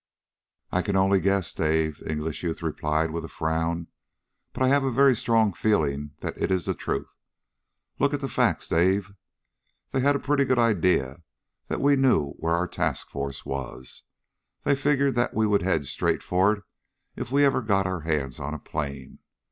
"I can only guess, Dave," the English youth replied with a frown. "But I have a very strong feeling that it is the truth. Look at the facts, Dave. They had a pretty good idea that we knew where our task force was. They figured that we would head straight for it if we ever got our hands on a plane.